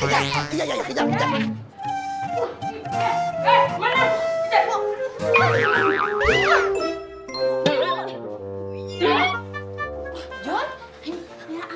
eeeh jangan lari